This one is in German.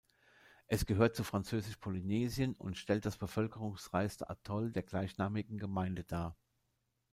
Es gehört zu Französisch-Polynesien und stellt das bevölkerungsreichste Atoll der gleichnamigen Gemeinde dar.